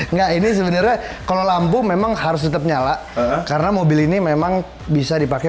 enggak ini sebenarnya kalau lampu memang harus tetap nyala karena mobil ini memang bisa dipakai